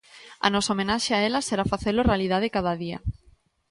A nosa homenaxe a ela será facelo realidade cada día.